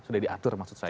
sudah diatur maksud saya